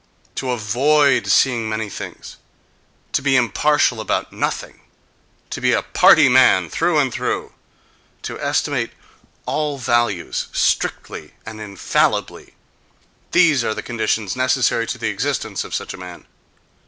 To avoid seeing many things, to be impartial about nothing, to be a party man through and through, to estimate all values strictly and infallibly—these are conditions necessary to the existence of such a man.